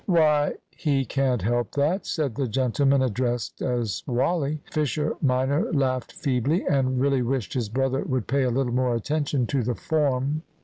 "Why, he can't help that," said the gentleman addressed as Wally. Fisher minor laughed feebly, and really wished his brother would pay a little more attention to the "form."